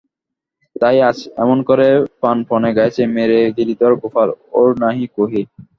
তাই আজ এমন করে প্রাণপণে গাইছে, মেরে গিরিধর গোপাল, ঔর নাহি কোহি।